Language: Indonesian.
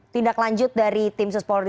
tindaklanjut dari tim sus polri